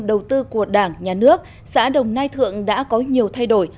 đầu tư của đảng nhà nước xã đồng nai thượng đã có nhiều thay đổi